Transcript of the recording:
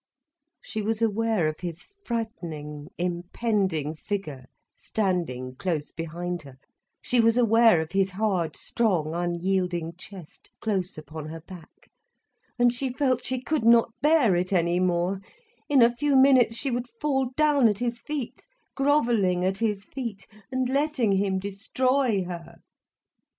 She was aware of his frightening, impending figure standing close behind her, she was aware of his hard, strong, unyielding chest, close upon her back. And she felt she could not bear it any more, in a few minutes she would fall down at his feet, grovelling at his feet, and letting him destroy her.